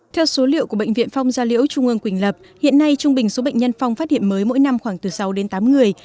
theo số liệu của bệnh viện phong gia liễu trung ương quỳnh lập hiện nay trung bình số bệnh nhân phong phát hiện mới mỗi năm khoảng từ sáu đến tám người